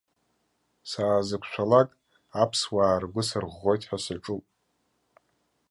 Саазықәшәалак аԥсуаа ргәы сырӷәӷәоит ҳәа саҿуп.